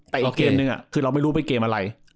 แต่อีกเกมนึงคือเราไม่รู้ไปเกมอะไร